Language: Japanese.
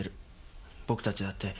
僕たちだって。